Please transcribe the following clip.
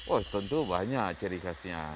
oh tentu banyak ciri khasnya